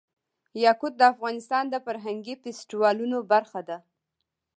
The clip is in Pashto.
یاقوت د افغانستان د فرهنګي فستیوالونو برخه ده.